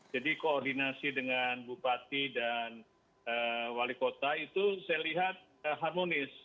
jadi koordinasi dengan bupati dan wali kota itu saya lihat harmonis